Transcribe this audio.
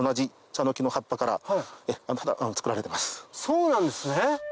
そうなんですね。